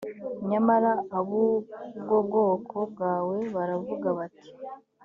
nyamara ab’ubwoko bwawe baravuga bati